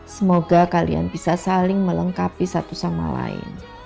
semoga kalian bisa saling melengkapi satu sama lain